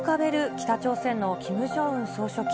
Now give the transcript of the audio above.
北朝鮮のキム・ジョンウン総書記。